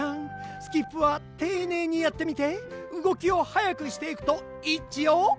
スキップはていねいにやってみてうごきをはやくしていくといいっちよ！